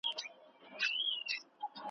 څوک به سوال کړي د کوترو له بازانو ,